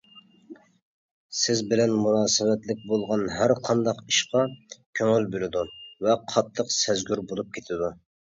سىز بىلەن مۇناسىۋەتلىك بولغان ھەرقانداق ئىشقا كۆڭۈل بۆلىدۇ ۋە قاتتىق سەزگۈر بولۇپ كېتىدۇ.